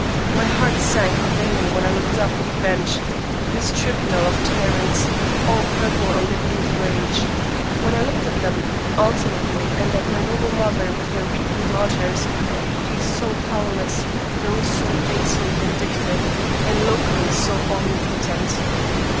My heart sank within me when I looked up at the bench, this tribunal of tyrants, all purple or livid with rage; when I looked at them alternately and English Mystery Stories at my noble mother with her weeping daughters — ^these so powerless, those so basely vindictive, and locally so omnipo tent.